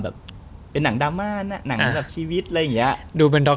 แบบเป็นหนังดราม่าน่ะหนังแบบชีวิตอะไรอย่างเงี้ยดูเป็นด็อก